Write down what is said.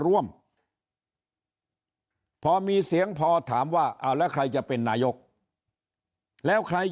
ร่วมพอมีเสียงพอถามว่าเอาแล้วใครจะเป็นนายกแล้วใคร